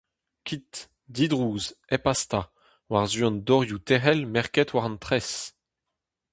Kit, didrouz, hep hastañ, war-zu an dorioù-tec'hel merket war an tres.